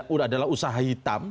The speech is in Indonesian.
udah adalah usaha hitam